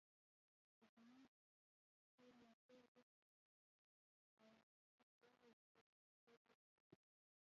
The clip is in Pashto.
مونږ خپل راپور بشپړ کړی اوس ته کولای شې له نظر یې تېر کړې.